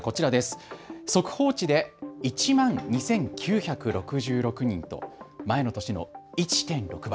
速報値で１万２９６６人と前の年の１．６倍。